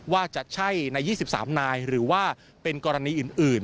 ว่าจะใช่ใน๒๓นายหรือว่าเป็นกรณีอื่น